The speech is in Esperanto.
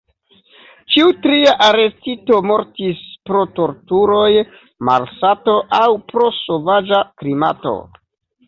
Ĉiu tria arestito mortis pro torturoj, malsato aŭ pro sovaĝa klimato.